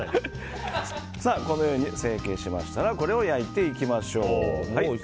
このように成形しましたら焼いていきましょう。